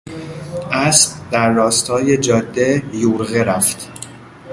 اسب در راستای جاده یورغه رفت.